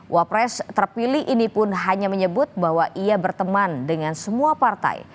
wapres terpilih ini pun hanya menyebut bahwa ia berteman dengan semua partai